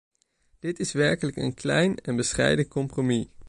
Dit is werkelijk een klein en bescheiden compromis.